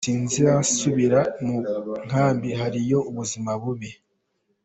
Sinzasubira mu nkambi hariyo ubuzima bubi.